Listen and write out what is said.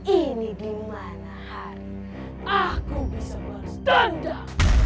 ini dimana hari aku bisa berdendam